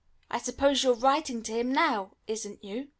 I suppose you're writing to Him now, isn't you?"